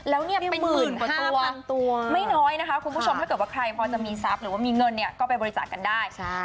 แล้วเนี่ยเป็นหมื่นกว่าตัวไม่น้อยนะคะคุณผู้ชมถ้าเกิดว่าใครพอจะมีทรัพย์หรือว่ามีเงินเนี่ยก็ไปบริจาคกันได้